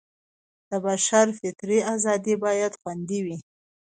د بشر فطرتي ازادي بايد خوندي وي.